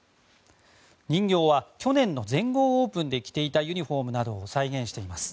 人形は去年の全豪オープンで着ていたユニホームなどを再現しています。